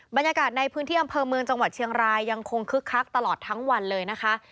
บรรยากาศในพื้นที่อำเภอเมืองจังหวัดเชียงรายยังคงคึกคักตลอดทั้งวันเลยนะคะ